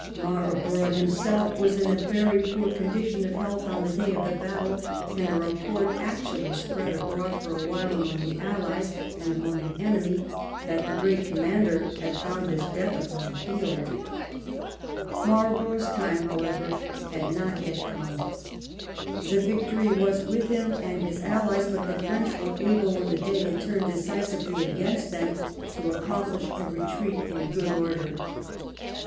Marlborough himself was in a very poor condition of health on the day of the battle, and a report actually spread abroad for a while among the Allies and among the enemy that the great commander had found his death upon the field. Marlborough's time, however, had not yet come. The victory was with him and his allies, but the French were able, when the day had turned decisively against them, to accomplish a 1709 MARLBOROUGH'S LAST GREAT BATTLE. 29 retreat in good order.